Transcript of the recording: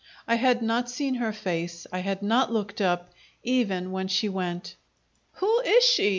I had not seen her face; I had not looked up even when she went. "Who is she?"